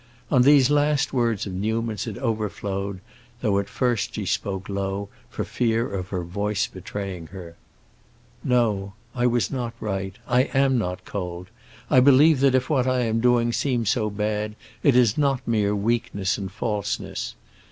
On these last words of Newman's it overflowed, though at first she spoke low, for fear of her voice betraying her. "No. I was not right—I am not cold! I believe that if I am doing what seems so bad, it is not mere weakness and falseness.